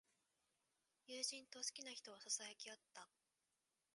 友人と好きな人をささやき合った。